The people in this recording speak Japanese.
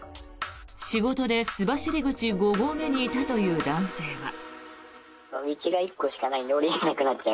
仕事で須走口五合目にいたという男性は。